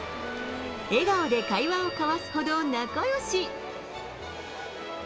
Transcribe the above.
笑顔で会話を交わすほど、仲よし。